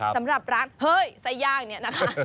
สำหรับร้านเฮ้ยไส้ย่างเนี่ยนะคะ